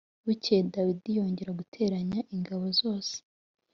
bukeye dawidi yongera guteranya ingabo zose